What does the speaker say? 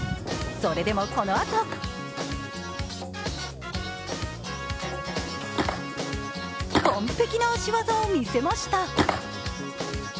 それでもこのあと完璧な足技を見せました。